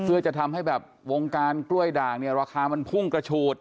คือจะทำให้วงการกล้วยด่างราคามันพุ่งกระฉูด